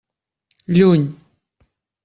Lluny.